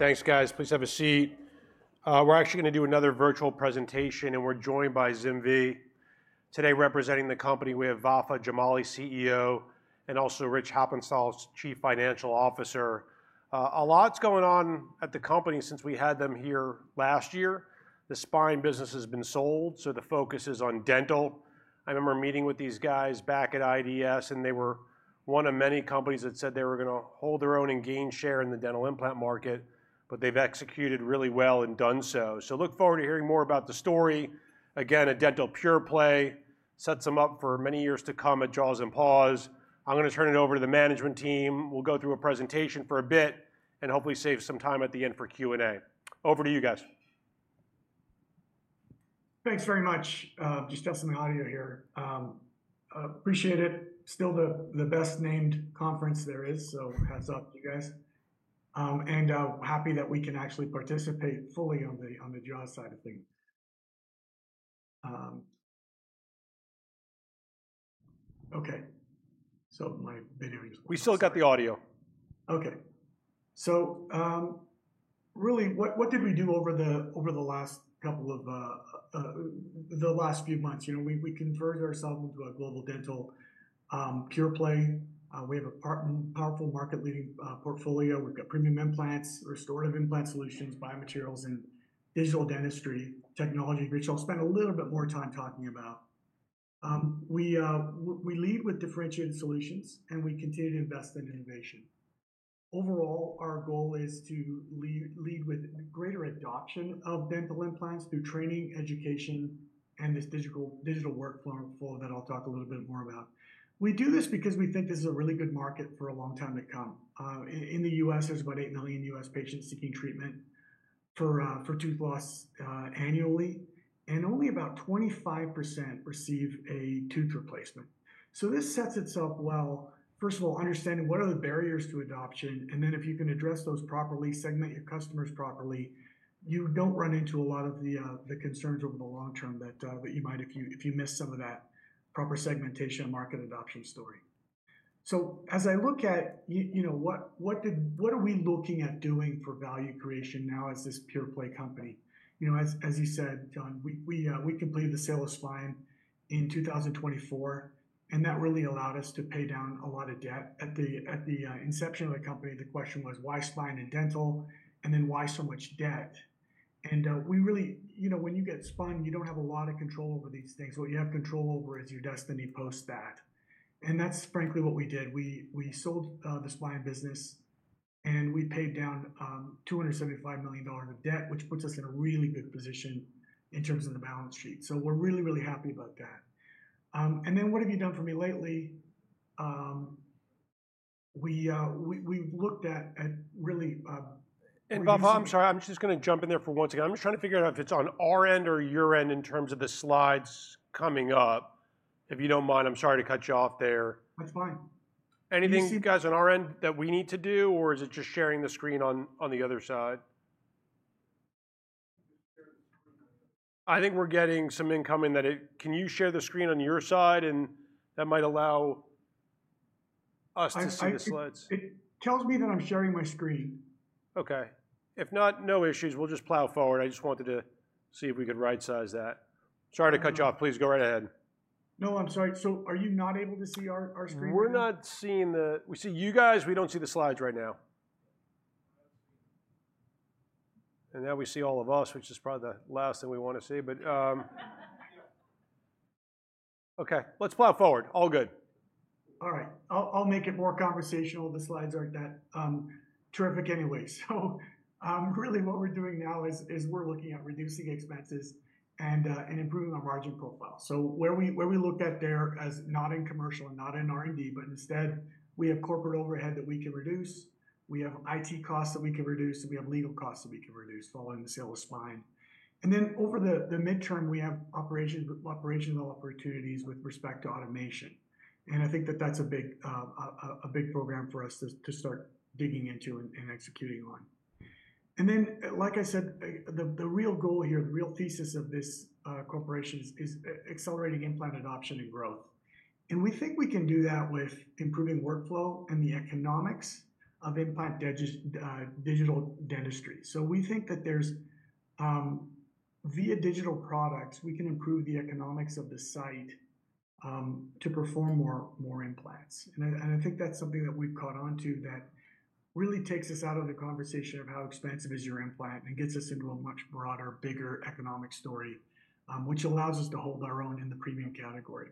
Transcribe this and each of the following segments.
Thanks, guys. Please have a seat. We're actually gonna do another virtual presentation, and we're joined by ZimVie. Today, representing the company, we have Vafa Jamali, CEO, and also Rich Heppenstall, Chief Financial Officer. A lot's going on at the company since we had them here last year. The spine business has been sold, so the focus is on dental. I remember meeting with these guys back at IDS, and they were one of many companies that said they were gonna hold their own and gain share in the dental implant market, but they've executed really well and done so. So look forward to hearing more about the story. Again, a dental pure-play sets them up for many years to come at Jaws and Paws. I'm gonna turn it over to the management team, who will go through a presentation for a bit, and hopefully save some time at the end for Q&A. Over to you guys. Thanks very much. Just testing the audio here. Appreciate it. Still the best-named conference there is, so hats off to you guys. And happy that we can actually participate fully on the jaw side of things. Okay, so my video is- We still got the audio. Okay. So, really, what did we do over the last few months? You know, we converted ourselves into a global dental pure-play. We have a powerful market-leading portfolio. We've got premium implants, restorative implant solutions, biomaterials, and digital dentistry technology, which I'll spend a little bit more time talking about. We lead with differentiated solutions, and we continue to invest in innovation. Overall, our goal is to lead with greater adoption of dental implants through training, education, and this digital workflow that I'll talk a little bit more about. We do this because we think this is a really good market for a long time to come. In the U.S., there's about 8 million U.S. patients seeking treatment for tooth loss annually, and only about 25% receive a tooth replacement. So this sets itself well. First of all, understanding what are the barriers to adoption, and then if you can address those properly, segment your customers properly, you don't run into a lot of the concerns over the long term that you might if you miss some of that proper segmentation and market adoption story. So as I look at you know, what are we looking at doing for value creation now as this pure-play company? You know, as you said, Jon, we completed the sale of Spine in 2024, and that really allowed us to pay down a lot of debt. At the inception of the company, the question was: Why spine and dental? And then, why so much debt? And we really... You know, when you get spun, you don't have a lot of control over these things. What you have control over is your destiny post that, and that's frankly what we did. We sold the spine business, and we paid down $275 million of debt, which puts us in a really good position in terms of the balance sheet. So we're really, really happy about that. And then what have you done for me lately? We we've looked at really And Vafa, I'm sorry. I'm just gonna jump in there for one second. I'm just trying to figure out if it's on our end or your end in terms of the slides coming up. If you don't mind, I'm sorry to cut you off there. That's fine. Anything, you guys, on our end that we need to do, or is it just sharing the screen on the other side? I think we're getting some incoming. Can you share the screen on your side, and that might allow us to see the slides. It tells me that I'm sharing my screen. Okay. If not, no issues. We'll just plow forward. I just wanted to see if we could right-size that. Sorry to cut you off. Please, go right ahead. No, I'm sorry. So are you not able to see our, our screen? We're not seeing the... We see you guys. We don't see the slides right now. And now we see all of us, which is probably the last thing we wanna see, but. Okay, let's plow forward. All good. All right. I'll make it more conversational. The slides aren't that terrific anyway. So really what we're doing now is we're looking at reducing expenses and improving our margin profile. So where we looked at there as not in commercial and not in R&D, but instead, we have corporate overhead that we can reduce, we have IT costs that we can reduce, and we have legal costs that we can reduce following the sale of Spine. And then over the midterm, we have operational opportunities with respect to automation, and I think that's a big program for us to start digging into and executing on. And then, like I said, the real goal here, the real thesis of this corporation is accelerating implant adoption and growth. We think we can do that with improving workflow and the economics of implant digital dentistry. So we think that there's via digital products, we can improve the economics of the site to perform more implants. And I think that's something that we've caught on to that really takes us out of the conversation of how expensive is your implant and gets us into a much broader, bigger economic story, which allows us to hold our own in the premium category.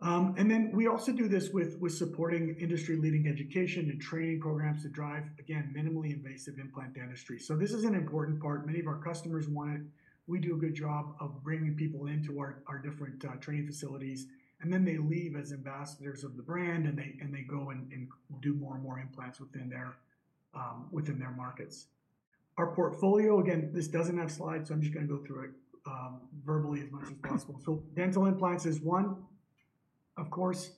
And then we also do this with supporting industry-leading education and training programs to drive, again, minimally invasive implant dentistry. So this is an important part. Many of our customers want it. We do a good job of bringing people into our different training facilities, and then they leave as ambassadors of the brand, and they go and do more and more implants within their markets. Our portfolio, again, this doesn't have slides, so I'm just gonna go through it verbally as much as possible. So dental implants is one, of course.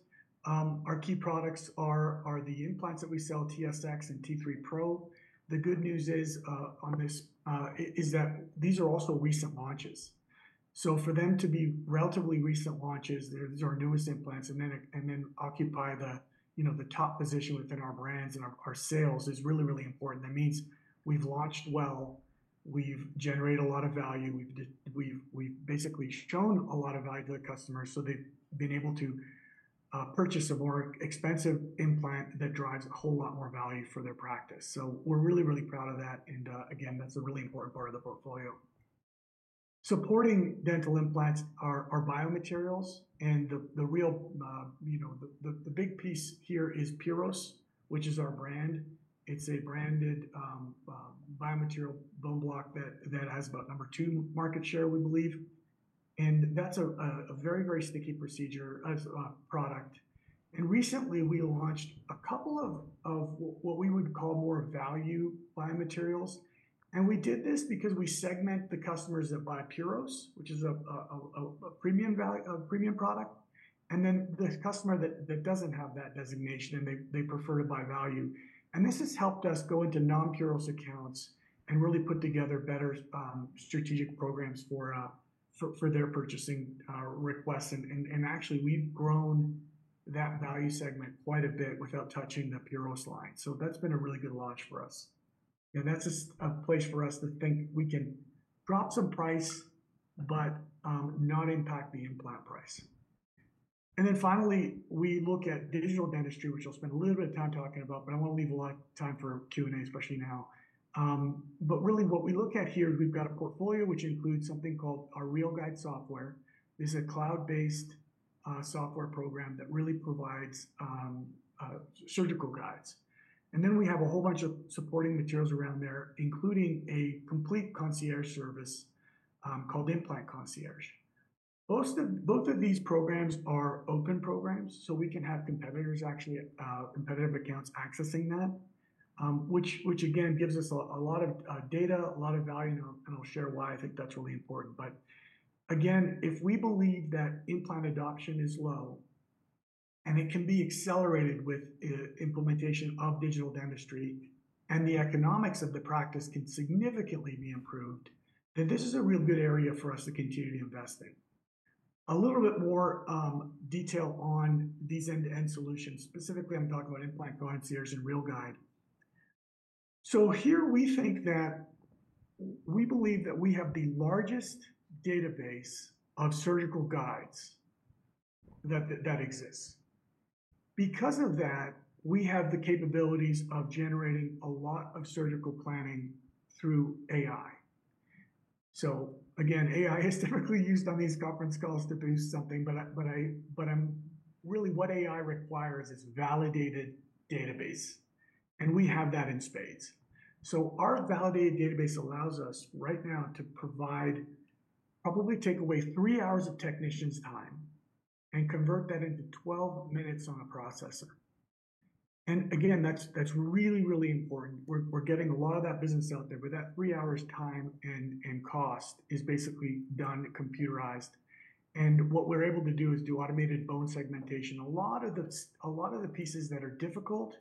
Our key products are the implants that we sell, TSX and T3 PRO. The good news is, on this, is that these are also recent launches. So for them to be relatively recent launches, they're these are our newest implants, and then occupy you know, the top position within our brands and our sales is really, really important. That means we've launched well, we've generated a lot of value, we've we've basically shown a lot of value to the customers, so they've been able to purchase a more expensive implant that drives a whole lot more value for their practice. So we're really, really proud of that, and again, that's a really important part of the portfolio. Supporting dental implants are biomaterials, and the real, you know, the big piece here is Puros, which is our brand. It's a branded biomaterial bone block that has about number two market share, we believe. And that's a very, very sticky procedure as a product. And recently, we launched a couple of what we would call more value biomaterials. And we did this because we segment the customers that buy Puros, which is a premium product, and then the customer that doesn't have that designation, and they prefer to buy value. And this has helped us go into non-Puros accounts and really put together better strategic programs for their purchasing requests. And actually, we've grown that value segment quite a bit without touching the Puros line. So that's been a really good launch for us, and that's a place for us to think we can drop some price but not impact the implant price. And then finally, we look at digital dentistry, which I'll spend a little bit of time talking about, but I wanna leave a lot of time for Q&A, especially now. But really what we look at here is we've got a portfolio which includes something called our RealGUIDE software. This is a cloud-based software program that really provides surgical guides. And then we have a whole bunch of supporting materials around there, including a complete concierge service called Implant Concierge. Both of these programs are open programs, so we can have competitors, actually, competitive accounts accessing that, which again gives us a lot of data, a lot of value, and I'll share why I think that's really important. But again, if we believe that implant adoption is low, and it can be accelerated with implementation of digital dentistry, and the economics of the practice can significantly be improved, then this is a real good area for us to continue to invest in. A little bit more detail on these end-to-end solutions. Specifically, I'm talking about Implant Concierge and RealGUIDE. So here we think that... We believe that we have the largest database of surgical guides that exists. Because of that, we have the capabilities of generating a lot of surgical planning through AI. So again, AI is typically used on these conference calls to be something, but I'm really what AI requires is validated database, and we have that in spades. So our validated database allows us, right now, to provide, probably take away three hours of technician's time and convert that into 12 minutes on a processor. And again, that's really important. We're getting a lot of that business out there, but that three hours' time and cost is basically done, computerized. And what we're able to do is do automated bone segmentation. A lot of the pieces that are difficult,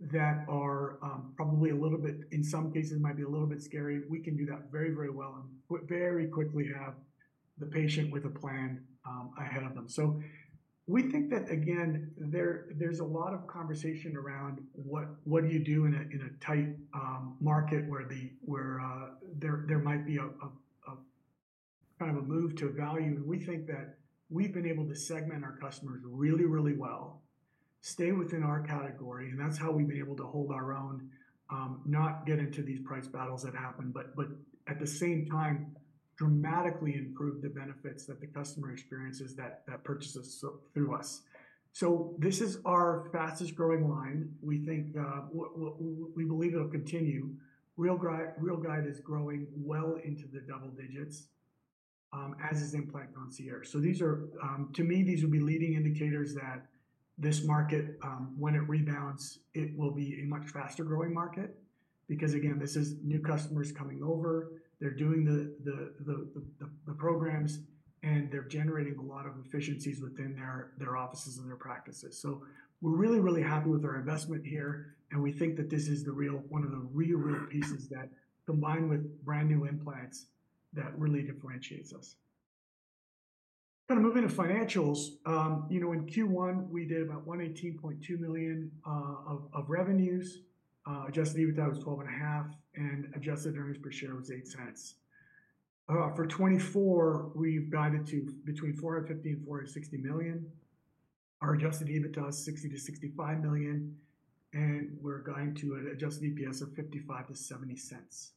that are, probably a little bit, in some cases, might be a little bit scary, we can do that very, very well and very quickly have the patient with a plan, ahead of them. So we think that, again, there, there's a lot of conversation around what, what do you do in a, in a tight, market, where the-- where, there, there might be a, a, a kind of a move to value. We think that we've been able to segment our customers really, really well, stay within our category, and that's how we've been able to hold our own, not get into these price battles that happen, but at the same time, dramatically improve the benefits that the customer experiences that purchases through us. So this is our fastest-growing line. We think, we believe it'll continue. RealGUIDE is growing well into the double digits, as is Implant Concierge. So these are, to me, these would be leading indicators that this market, when it rebounds, it will be a much faster-growing market. Because, again, this is new customers coming over, they're doing the programs, and they're generating a lot of efficiencies within their offices and their practices. So we're really, really happy with our investment here, and we think that this is the real one of the real, real pieces that, combined with brand-new implants, that really differentiates us. Kinda moving to financials. You know, in Q1, we did about $118.2 million of revenues. Adjusted EBITDA was $12.5 million, and adjusted earnings per share was $0.08. For 2024, we've guided to between $450 million and $460 million. Our adjusted EBITDA is $60 million-$65 million, and we're guiding to an adjusted EPS of $0.55-$0.70.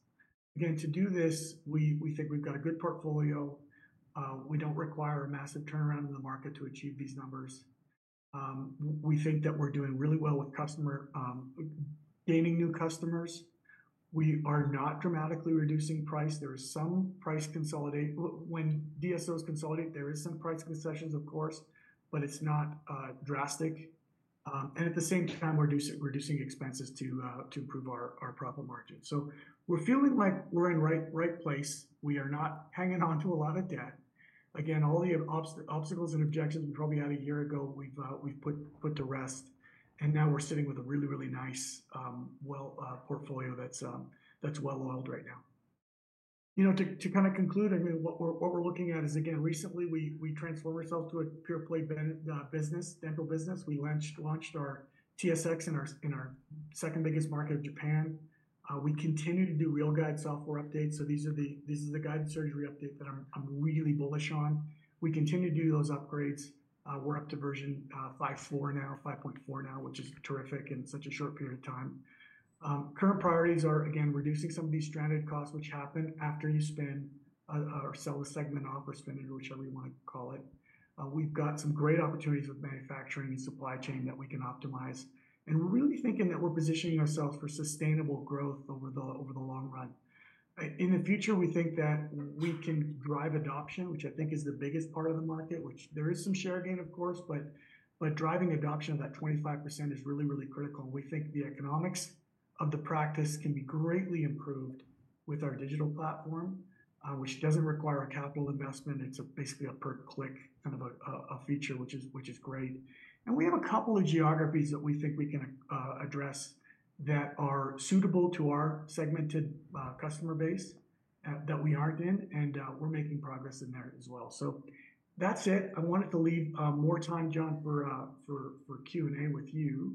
Again, to do this, we think we've got a good portfolio. We think that we're doing really well with customers, gaining new customers. We are not dramatically reducing price. There is some price consolidation when DSOs consolidate, there is some price concessions, of course, but it's not drastic. And at the same time, we're reducing expenses to improve our profit margin. So we're feeling like we're in right place. We are not hanging on to a lot of debt. Again, all the obstacles and objections we probably had a year ago, we've put to rest, and now we're sitting with a really, really nice, well, portfolio that's well-oiled right now.... You know, to kind of conclude, I mean, what we're looking at is, again, recently we transformed ourselves to a pure-play dental business. We launched our TSX in our second biggest market of Japan. We continue to do RealGUIDE software updates. This is the guided surgery update that I'm really bullish on. We continue to do those upgrades. We're up to version 5.4 now, which is terrific in such a short period of time. Current priorities are, again, reducing some of these stranded costs, which happen after you spend or sell a segment off or spend it, whichever you wanna call it. We've got some great opportunities with manufacturing and supply chain that we can optimize. We're really thinking that we're positioning ourselves for sustainable growth over the long run. In the future, we think that we can drive adoption, which I think is the biggest part of the market, which there is some share gain, of course, but driving adoption of that 25% is really, really critical. We think the economics of the practice can be greatly improved with our digital platform, which doesn't require a capital investment. It's basically a per-click, kind of a feature, which is, which is great. And we have a couple of geographies that we think we can address, that are suitable to our segmented customer base, that we aren't in, and we're making progress in there as well. So that's it. I wanted to leave more time, Jon, for for Q&A with you.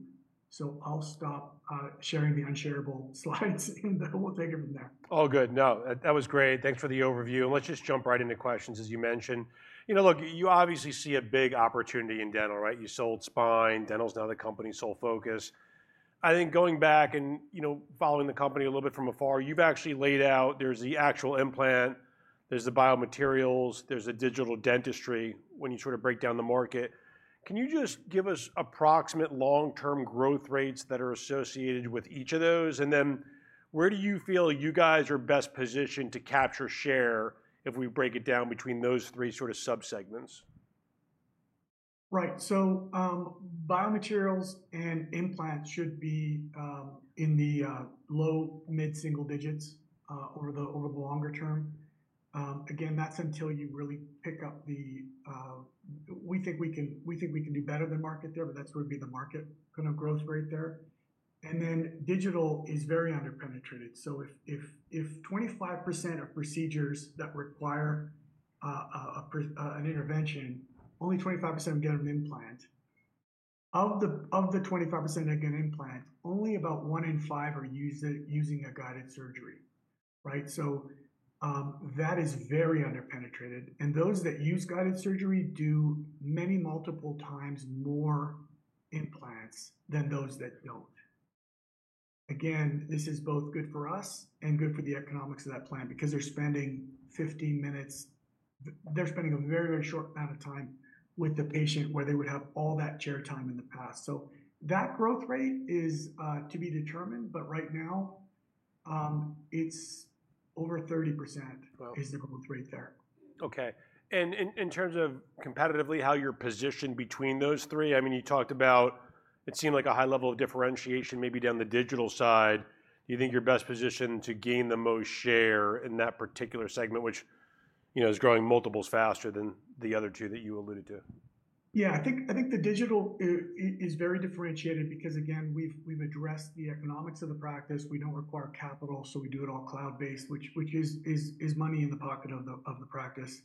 So I'll stop sharing the unshareable slides, and we'll take it from there. All good. No, that, that was great. Thanks for the overview, and let's just jump right into questions, as you mentioned. You know, look, you obviously see a big opportunity in dental, right? You sold Spine, dental is now the company's sole focus. I think going back and, you know, following the company a little bit from afar, you've actually laid out there's the actual implant, there's the biomaterials, there's the digital dentistry, when you sort of break down the market. Can you just give us approximate long-term growth rates that are associated with each of those? And then, where do you feel you guys are best positioned to capture share if we break it down between those three sort of subsegments? Right. So, biomaterials and implants should be in the low mid-single digits over the longer term. Again, that's until you really pick up the... We think we can, we think we can do better than market there, but that's gonna be the market kind of growth rate there. And then digital is very underpenetrated. So if 25% of procedures that require an intervention, only 25% get an implant. Of the 25% that get an implant, only about one in five are using a guided surgery, right? So, that is very underpenetrated, and those that use guided surgery do many multiple times more implants than those that don't. Again, this is both good for us and good for the economics of that plan because they're spending 15 minutes—they're spending a very, very short amount of time with the patient, where they would have all that chair time in the past. So that growth rate is to be determined, but right now, it's over 30%. Wow! is the growth rate there. Okay. And in terms of competitively, how you're positioned between those three, I mean, you talked about it seemed like a high level of differentiation, maybe down the digital side. Do you think you're best positioned to gain the most share in that particular segment, which, you know, is growing multiples faster than the other two that you alluded to? Yeah. I think the digital is very differentiated because, again, we've addressed the economics of the practice. We don't require capital, so we do it all cloud-based, which is money in the pocket of the practice.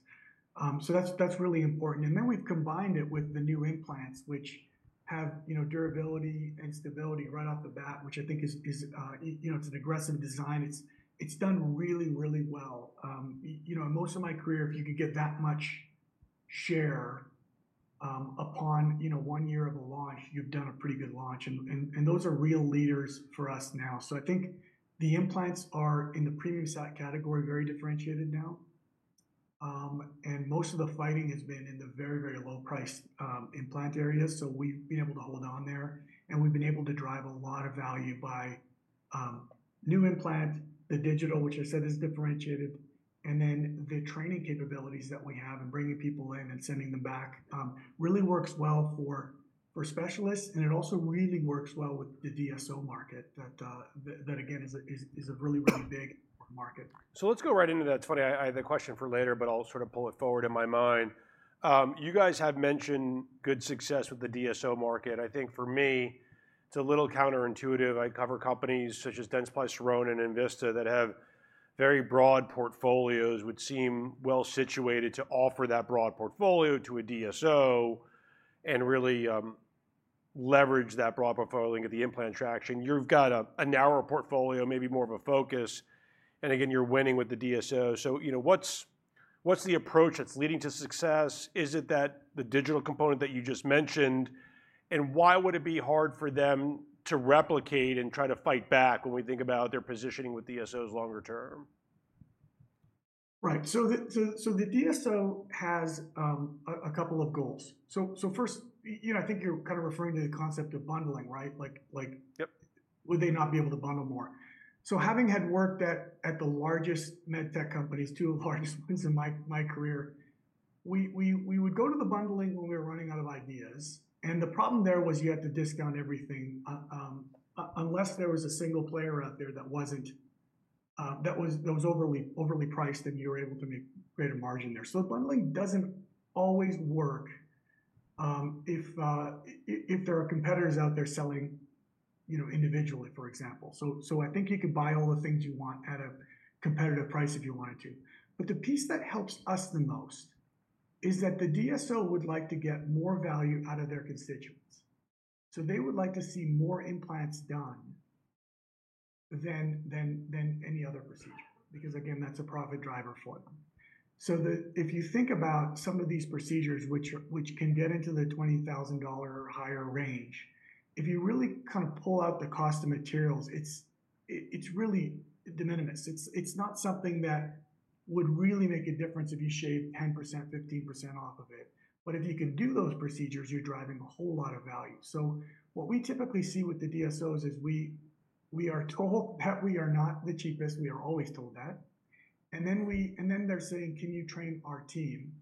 So that's really important. And then we've combined it with the new implants, which have, you know, durability and stability right off the bat, which I think is, you know, it's an aggressive design. It's done really well. You know, in most of my career, if you could get that much share, upon, you know, one year of a launch, you've done a pretty good launch, and those are real leaders for us now. So I think the implants are in the premium segment category, very differentiated now. And most of the fighting has been in the very, very low price implant area, so we've been able to hold on there, and we've been able to drive a lot of value by new implant, the digital, which I said is differentiated, and then the training capabilities that we have in bringing people in and sending them back really works well for specialists, and it also really works well with the DSO market. That, that again, is a really, really big market. So let's go right into that. It's funny, I had a question for later, but I'll sort of pull it forward in my mind. You guys have mentioned good success with the DSO market. I think for me, it's a little counterintuitive. I cover companies such as Dentsply Sirona and Envista that have very broad portfolios, which seem well-situated to offer that broad portfolio to a DSO, and really, leverage that broad portfolio of the implant traction. You've got a narrower portfolio, maybe more of a focus, and again, you're winning with the DSO. So, you know, what's the approach that's leading to success? Is it that the digital component that you just mentioned, and why would it be hard for them to replicate and try to fight back when we think about their positioning with DSOs longer term? Right. So the DSO has a couple of goals. So first, you know, I think you're kind of referring to the concept of bundling, right? Like, like- Yep. Would they not be able to bundle more? So having had worked at the largest med tech companies, two of the largest ones in my career, we would go to the bundling when we were running out of ideas, and the problem there was you had to discount everything unless there was a single player out there that wasn't that was overly priced, and you were able to make greater margin there. So bundling doesn't always work if there are competitors out there selling, you know, individually, for example. So I think you could buy all the things you want at a competitive price if you wanted to. But the piece that helps us the most is that the DSO would like to get more value out of their constituents. So they would like to see more implants done than any other procedure, because, again, that's a profit driver for them. So if you think about some of these procedures, which can get into the $20,000 or higher range, if you really kind of pull out the cost of materials, it's really de minimis. It's not something that would really make a difference if you shave 10%, 15% off of it. But if you can do those procedures, you're driving a whole lot of value. So what we typically see with the DSOs is we are told that we are not the cheapest, we are always told that. And then they're saying, "Can you train our team?"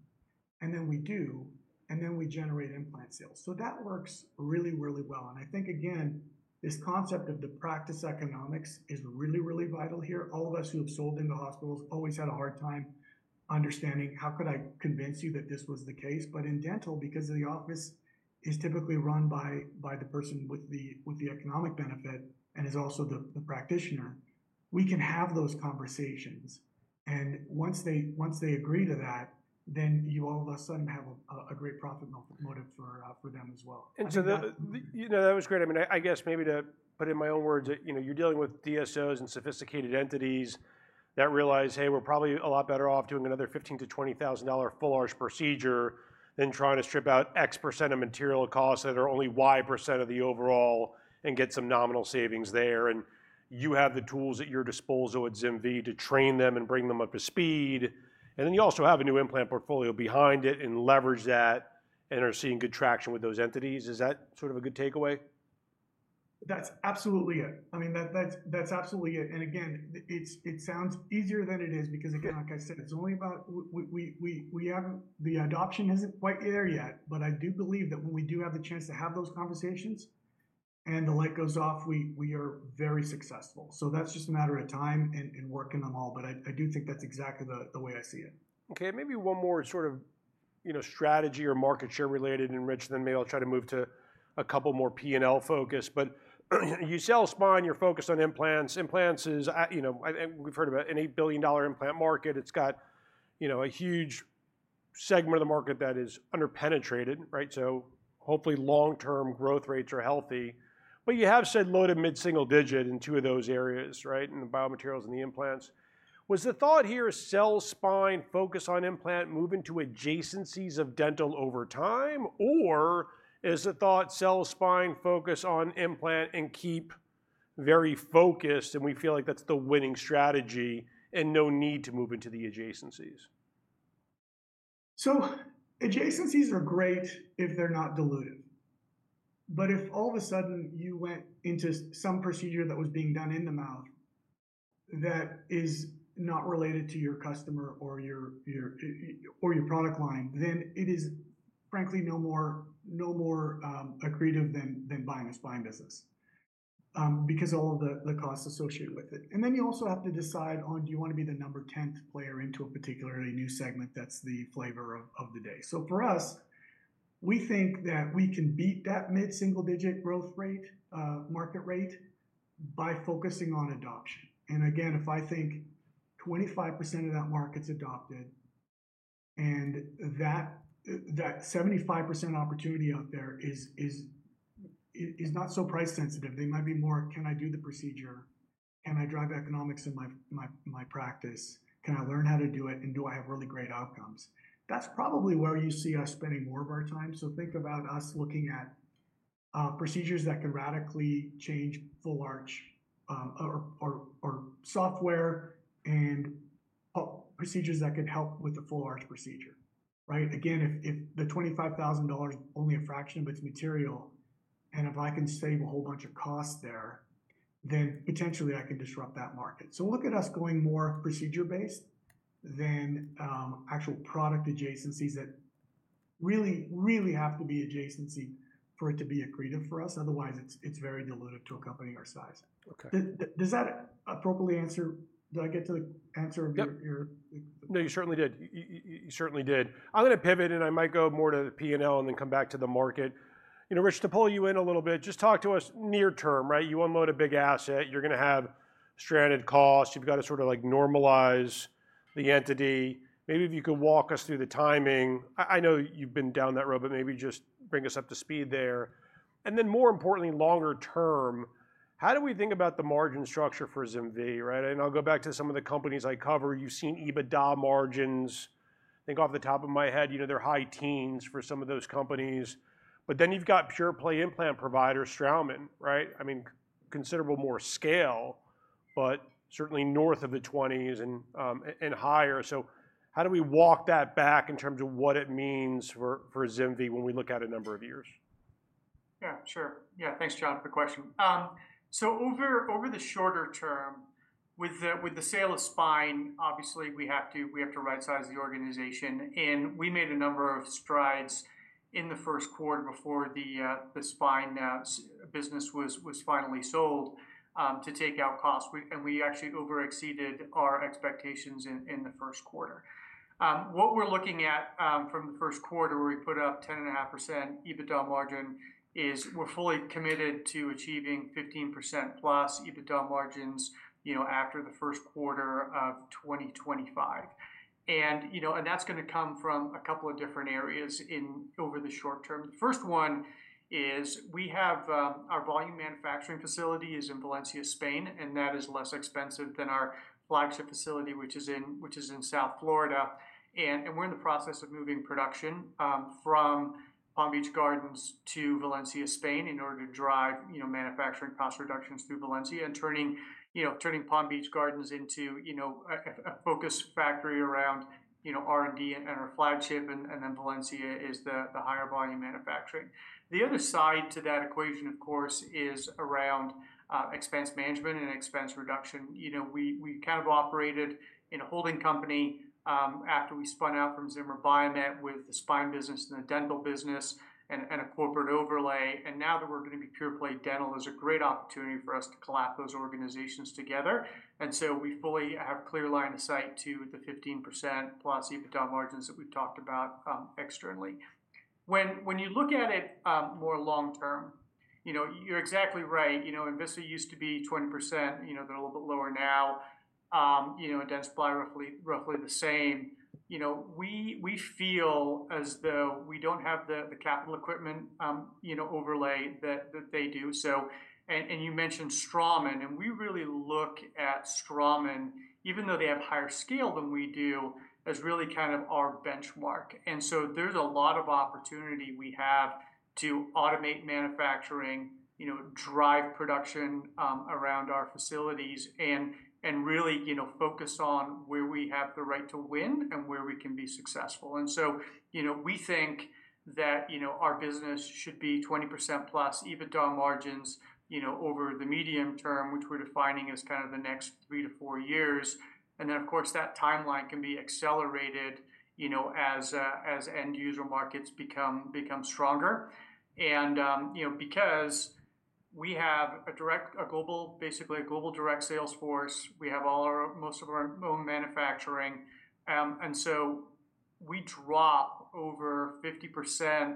And then we do, and then we generate implant sales. So that works really, really well, and I think, again, this concept of the practice economics is really, really vital here. All of us who have sold into hospitals always had a hard time understanding, how could I convince you that this was the case? But in dental, because the office is typically run by the person with the economic benefit, and is also the practitioner, we can have those conversations, and once they agree to that, then you all of a sudden have a great profit motive for them as well. You know, that was great. I mean, I guess maybe to put in my own words that, you know, you're dealing with DSOs and sophisticated entities that realize, "Hey, we're probably a lot better off doing another $15,000-$20,000 full arch procedure than trying to strip out X% of material costs that are only Y% of the overall, and get some nominal savings there." And you have the tools at your disposal at ZimVie to train them and bring them up to speed, and then you also have a new implant portfolio behind it and leverage that, and are seeing good traction with those entities. Is that sort of a good takeaway? That's absolutely it. I mean, that's absolutely it, and again, it sounds easier than it is because, again, like I said, it's only about the adoption isn't quite there yet. But I do believe that when we do have the chance to have those conversations and the light goes off, we are very successful. So that's just a matter of time and working them all, but I do think that's exactly the way I see it. Okay, maybe one more sort of, you know, strategy or market share related and Rich, then maybe I'll try to move to a couple more P&L focus. But you sell spine, you're focused on implants. Implants is at, you know, and we've heard about an $8 billion implant market. It's got, you know, a huge segment of the market that is under-penetrated, right? So hopefully, long-term growth rates are healthy. But you have said low- to mid-single-digit in two of those areas, right? In the biomaterials and the implants. Was the thought here, sell spine, focus on implant, move into adjacencies of dental over time? Or is the thought, sell spine, focus on implant, and keep very focused, and we feel like that's the winning strategy and no need to move into the adjacencies? So adjacencies are great if they're not dilutive. But if all of a sudden you went into some procedure that was being done in the mouth, that is not related to your customer or your product line, then it is frankly no more accretive than buying a spine business, because all of the costs associated with it. And then you also have to decide on, do you wanna be the number tenth player into a particularly new segment that's the flavor of the day? So for us, we think that we can beat that mid-single digit growth rate, market rate, by focusing on adoption. And again, if I think 25% of that market's adopted, and that 75% opportunity out there is not so price sensitive, they might be more, "Can I do the procedure? Can I drive economics in my practice? Can I learn how to do it, and do I have really great outcomes?" That's probably where you see us spending more of our time. So think about us looking at procedures that could radically change full arch, or software and procedures that could help with the full arch procedure, right? Again, if the $25,000 is only a fraction of its material, and if I can save a whole bunch of costs there, then potentially I can disrupt that market. So look at us going more procedure-based than actual product adjacencies that really, really have to be adjacency for it to be accretive for us. Otherwise, it's very dilutive to a company our size. Okay. Does that appropriately answer-- Did I get to the answer of your, your- Yep. No, you certainly did. You certainly did. I'm gonna pivot, and I might go more to the P&L and then come back to the market. You know, Rich, to pull you in a little bit, just talk to us near term, right? You unload a big asset, you're gonna have stranded costs, you've got to sort of like normalize the entity. Maybe if you could walk us through the timing. I know you've been down that road, but maybe just bring us up to speed there. And then more importantly, longer term, how do we think about the margin structure for ZimVie, right? And I'll go back to some of the companies I cover. You've seen EBITDA margins. I think off the top of my head, you know, they're high teens for some of those companies. But then you've got pure play implant provider, Straumann, right? I mean, considerable more scale, but certainly north of the 20s and higher. So how do we walk that back in terms of what it means for ZimVie when we look out a number of years? Yeah, sure. Yeah, thanks, Jon, for the question. So over the shorter term, with the sale of spine, obviously, we have to rightsize the organization, and we made a number of strides in the first quarter before the spine business was finally sold to take out costs. And we actually over exceeded our expectations in the first quarter. What we're looking at from the first quarter, where we put up 10.5% EBITDA margin, is we're fully committed to achieving 15%+ EBITDA margins, you know, after the first quarter of 2025. And, you know, and that's gonna come from a couple of different areas over the short term. The first one is we have our volume manufacturing facility is in Valencia, Spain, and that is less expensive than our flagship facility, which is in, which is in South Florida. And we're in the process of moving production from Palm Beach Gardens to Valencia, Spain, in order to drive, you know, manufacturing cost reductions through Valencia and turning, you know, turning Palm Beach Gardens into, you know, a focus factory around, you know, R&D and our flagship, and then Valencia is the higher volume manufacturing. The other side to that equation, of course, is around expense management and expense reduction. You know, we kind of operated in a holding company after we spun out from Zimmer Biomet with the spine business and the dental business and a corporate overlay. And now that we're gonna be pure-play dental, there's a great opportunity for us to collapse those organizations together. And so we fully have clear line of sight to the 15%+ EBITDA margins that we've talked about, externally. When you look at it, more long term, you know, you're exactly right. You know, Envista used to be 20%, you know, they're a little bit lower now. You know, Dentsply, roughly the same. You know, we feel as though we don't have the capital equipment, you know, overlay that they do, so... And you mentioned Straumann, and we really look at Straumann, even though they have higher scale than we do, as really kind of our benchmark. And so there's a lot of opportunity we have to automate manufacturing, you know, drive production around our facilities and really, you know, focus on where we have the right to win and where we can be successful. And so, you know, we think that, you know, our business should be 20%+ EBITDA margins, you know, over the medium term, which we're defining as kind of the next 3-4 years. And then, of course, that timeline can be accelerated, you know, as end user markets become stronger. And, you know, because we have a direct, a global—basically a global direct sales force, we have most of our own manufacturing. And so we drop over 50%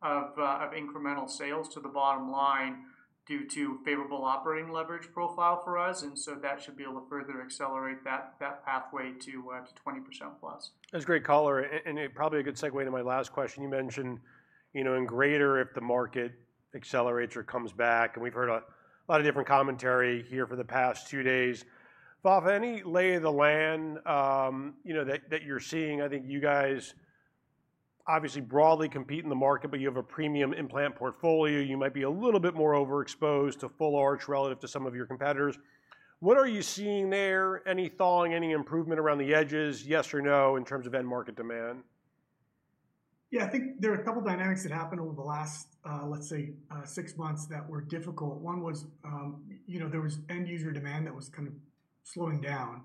of incremental sales to the bottom line due to favorable operating leverage profile for us, and so that should be able to further accelerate that pathway to 20% plus. That's a great caller and probably a good segue to my last question. You mentioned, you know, in greater detail if the market accelerates or comes back, and we've heard a lot of different commentary here for the past two days. Vafa, any lay of the land, you know, that you're seeing? I think you guys obviously broadly compete in the market, but you have a premium implant portfolio. You might be a little bit more overexposed to full arch relative to some of your competitors. What are you seeing there? Any thawing, any improvement around the edges, yes or no, in terms of end market demand? Yeah, I think there are a couple of dynamics that happened over the last, let's say, six months, that were difficult. One was, you know, there was end-user demand that was kind of slowing down,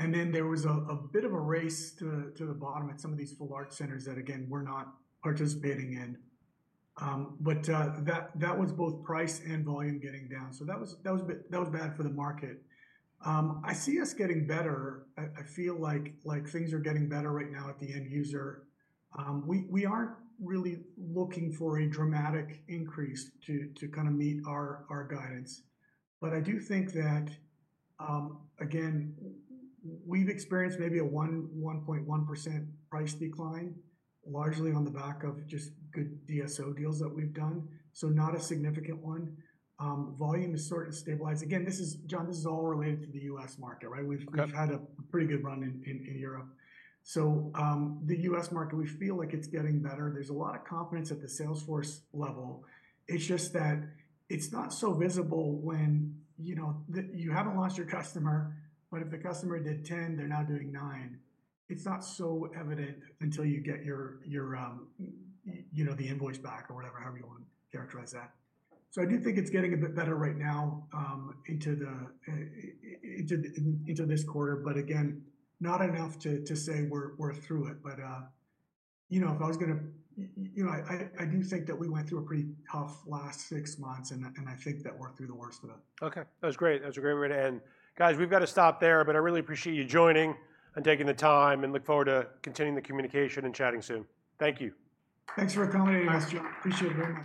and then there was a bit of a race to the bottom at some of these full-arch centers that, again, we're not participating in. But that was both price and volume getting down. So that was bad for the market. I see us getting better. I feel like things are getting better right now at the end user. We aren't really looking for a dramatic increase to kinda meet our guidance. But I do think that, again, we've experienced maybe a 1.1% price decline, largely on the back of just good DSO deals that we've done, so not a significant one. Volume is sort of stabilized. Again, this is, Jon, this is all related to the U.S. market, right? Got it. We've had a pretty good run in Europe. So, the U.S. market, we feel like it's getting better. There's a lot of confidence at the sales force level. It's just that it's not so visible when, you know, that you haven't lost your customer, but if the customer did 10, they're now doing nine. It's not so evident until you get your, you know, the invoice back or whatever, however you wanna characterize that. So I do think it's getting a bit better right now, into this quarter, but again, not enough to say we're through it. But, you know, if I was gonna you know, I do think that we went through a pretty tough last six months, and I think that we're through the worst of it. Okay, that's great. That's a great way to end. Guys, we've got to stop there, but I really appreciate you joining and taking the time, and look forward to continuing the communication and chatting soon. Thank you. Thanks for accommodating us, Jon. Appreciate it very much.